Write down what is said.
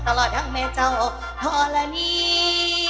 ตลอดทั้งแม่เจ้าธรณี